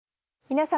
皆様。